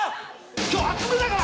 今日熱めだから！